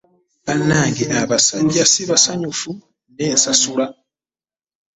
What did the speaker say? Banange abasajja si basanyufu ne nsasula.